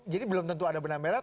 jadi belum tentu ada benang merah